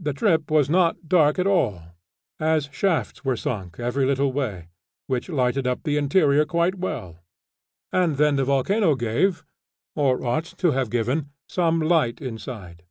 The trip was not dark at all, as shafts were sunk every little way, which lighted up the interior quite well, and then the volcano gave or ought to have given some light inside.